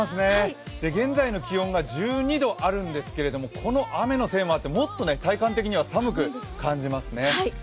現在の気温が１２度あるんですけど、この雨のせいもあって、もっと体感的には寒く感じますね。